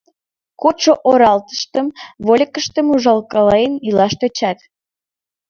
Кодшо оралтыштым, вольыкыштым ужалкален илаш тӧчат.